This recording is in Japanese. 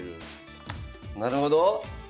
なるほど。